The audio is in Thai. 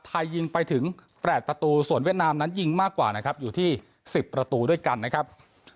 ยิงไปถึง๘ประตูส่วนเวียดนามนั้นยิงมากกว่านะครับอยู่ที่๑๐ประตูด้วยกันนะครับ